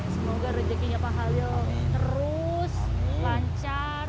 semoga rezekinya pak halil terus lancar